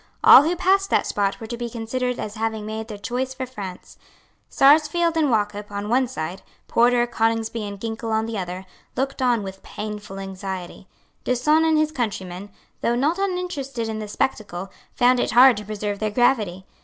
All who passed that spot were to be considered as having made their choice for France. Sarsfield and Wauchop on one side, Porter, Coningsby and Ginkell on the other, looked on with painful anxiety. D'Usson and his countrymen, though not uninterested in the spectacle, found it hard to preserve their gravity.